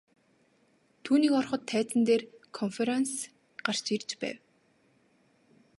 Түүнийг ороход тайзан дээр КОНФЕРАНСЬЕ гарч ирж байв.